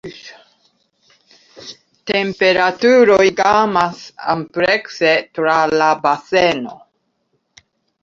Temperaturoj gamas amplekse tra la baseno.